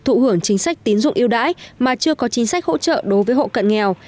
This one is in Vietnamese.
thụ hưởng chính sách tín dụng yêu đãi mà chưa có chính sách hỗ trợ đối với hộ cận nghèo